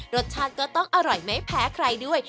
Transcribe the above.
รสชาติก็ต้องอร่อยไม่แพ้ใครด้วย